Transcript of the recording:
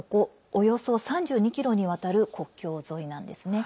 およそ３２ｋｍにわたる国境沿いです。